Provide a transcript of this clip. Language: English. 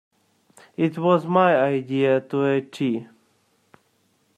It was my idea to a tee.